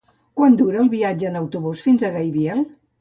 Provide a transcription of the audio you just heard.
Quant dura el viatge en autobús fins a Gaibiel?